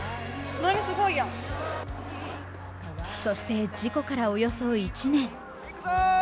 そして事故からおよそ１年。